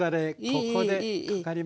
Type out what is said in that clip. ここでかかります。